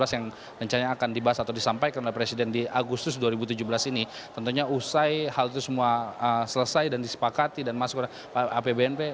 yang rencananya akan dibahas atau disampaikan oleh presiden di agustus dua ribu tujuh belas ini tentunya usai hal itu semua selesai dan disepakati dan masuk ke apbnp